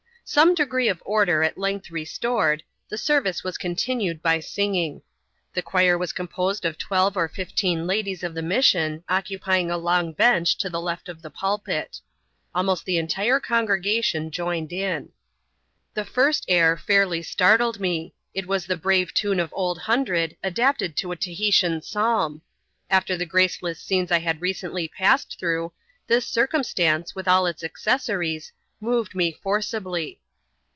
Some degree of order at length restored, the service was con tinued, by singing. The choir was composed of twelve or fifteen ladies of the mission, occupying a long bench to the left of the pulpit. Almost the entire congregation joined in. The first air fairly startled me; it was the brave tune of Old Hundred, adapted to a Tahitian psahn. After the grace less scenes I had recently passed through, this circumstance, with all its accessories, moved me forcibly.